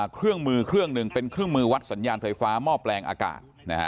เครื่องมือเครื่องหนึ่งเป็นเครื่องมือวัดสัญญาณไฟฟ้าหม้อแปลงอากาศ